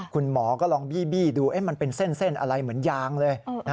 คุณหมอก็ลองบี้ดูมันเป็นเส้นอะไรเหมือนยางเลย